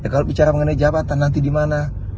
kalau bicara mengenai jabatan nanti di mana